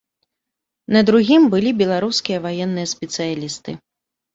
На другім былі беларускія ваенныя спецыялісты.